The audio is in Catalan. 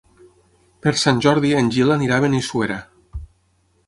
Per Sant Jordi en Gil anirà a Benissuera.